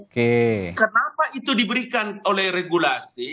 kenapa itu diberikan oleh regulasi